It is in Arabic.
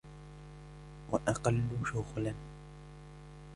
وَأَقَلُّ شُغْلًا